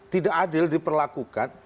tidak adil diperlakukan